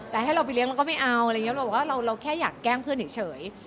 แต่ถ้าเราไปเลี้ยงเราก็ไม่เอาเราก็แค่อยากแกล้งเพื่อนเฉย